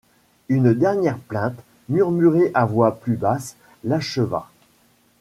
Une dernière plainte, murmurée à voix plus basse, l’acheva.